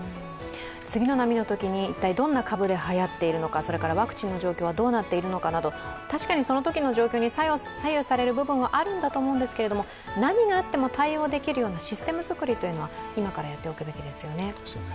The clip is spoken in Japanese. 次の波のときに一体どんな株がはやっているのか、それからワクチンの状況はどうなっているのかなど確かにそのときの状況に左右される部分はあるんだと思うんですけど何があっても対応できるようなシステム作りを今からやっておくべきですよね。